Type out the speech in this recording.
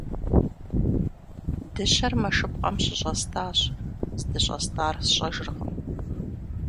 Дыщэр мэшыпкъэм щыщӏэстӏащ, здыщӏэстӏар сщӏэжыркъым.